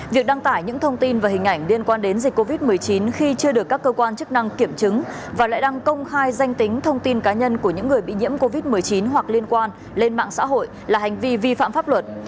việc đăng tải những thông tin và hình ảnh liên quan đến dịch covid một mươi chín khi chưa được các cơ quan chức năng kiểm chứng và lại đăng công khai danh tính thông tin cá nhân của những người bị nhiễm covid một mươi chín hoặc liên quan lên mạng xã hội là hành vi vi phạm pháp luật